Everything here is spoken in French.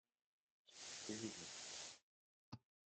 taisez-vous.